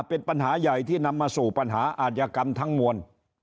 เป็นปัญหาใหญ่ที่นำมาสู่ปัญหาอาจยกรรมทั้งมวล